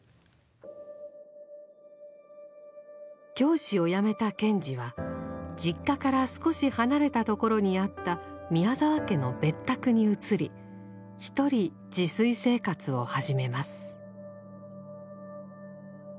教師をやめた賢治は実家から少し離れたところにあった宮沢家の別宅に移り独り自炊生活を始めます。